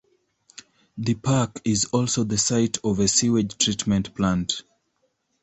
The park is also the site of a sewage treatment plant.